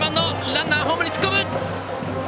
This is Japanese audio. ランナー、ホームに突っ込む！